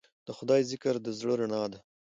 د خدای ذکر د زړه رڼا ده.